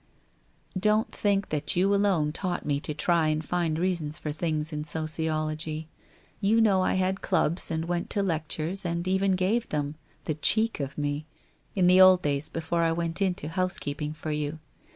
Don't think that you alone taught me to try and find reasons for things in sociology. You know I had clubs and went to lectures and even gave them — the cheek of me! — in the old days before I went into housekeeping for you.